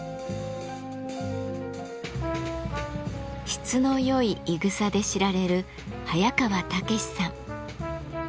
質のよいいぐさで知られる早川猛さん。